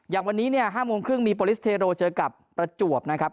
อย่างวันนี้เนี่ย๕โมงครึ่งมีโปรลิสเทโรเจอกับประจวบนะครับ